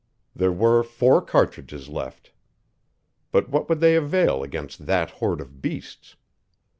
There were four cartridges left. But what would they avail against that horde of beasts!